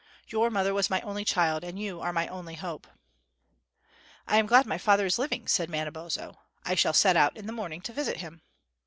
Your mother was my only child, and you are my only hope." "I am glad my father is living," said Manabozho. "I shall set out in the morning to visit him."